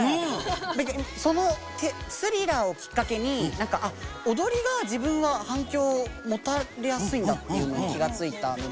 何かその「スリラー」をきっかけにあ踊りが自分は反響をもたれやすいんだっていうのに気が付いたんで。